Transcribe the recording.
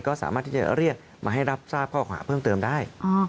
ก็สามารถที่จะเรียกมาให้รับทราบข้อหาเพิ่มเติมได้